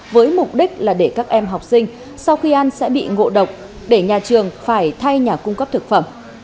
với mục đích là để các em học sinh sau khi ăn sẽ bị ngộ độc để nhà trường phải thay nhà cung cấp thực phẩm